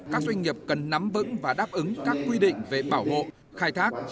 các doanh nghiệp cần nắm vững và đáp ứng các quy định về bảo hộ khai thác